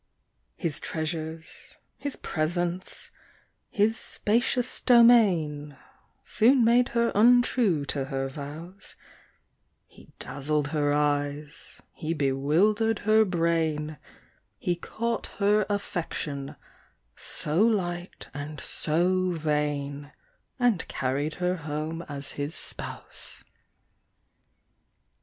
His treasures, his presents, his spacious domain Soon made her untrue to her vows; He dazzled her eyes, he bewildered her brain, He caught her affection, so light and so vain, And carried her home as his spouse.